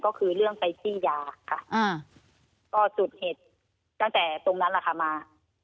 ก็คือเรื่องไปขี้ยาค่ะก็จุดเหตุตั้งแต่ตรงนั้นแหละค่ะมา